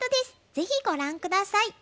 ぜひご覧下さい。